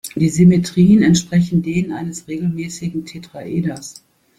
Die Symmetrien entsprechen denen eines regelmäßigen Tetraeders.